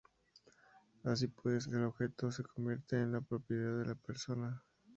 Así pues, el objeto se convierte en la propiedad de la persona.